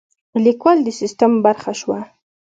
لیکوال د سیستم برخه شوه.